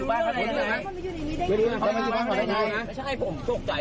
ไม่ใช่ผมโจ๊กใจ